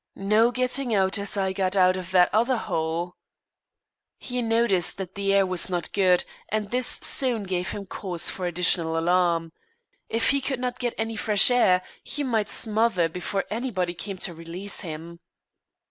"No getting out as I got out of that other hole." He noticed that the air was not good, and this soon gave him cause for additional alarm. If he could not get any fresh air, he might smother before anybody came to release him.